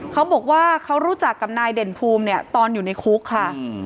เขาบอกว่าเขารู้จักกับนายเด่นภูมิเนี่ยตอนอยู่ในคุกค่ะ